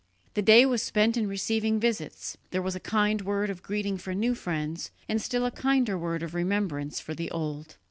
The day was spent in receiving visits; there was a kind word of greeting for new friends, and a still kinder word of remembrance for the old.